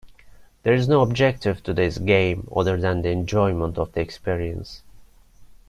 There is no objective to this game other than the enjoyment of the experience.